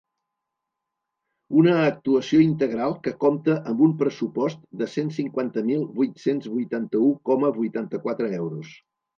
Una actuació integral que compta amb un pressupost de cent cinquanta mil vuit-cents vuitanta-u coma vuitanta-quatre euros.